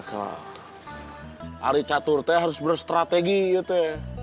hari catur teh harus berstrategi yaitu